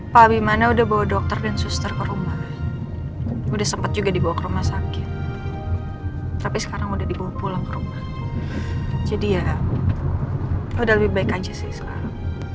pak bimana udah bawa dokter dan suster ke rumah udah sempat juga dibawa ke rumah sakit tapi sekarang udah dibawa pulang ke rumah jadi ya udah lebih baik aja sih sekarang